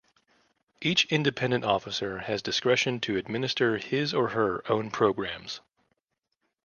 Each independent officer has discretion to administer his or her own programs.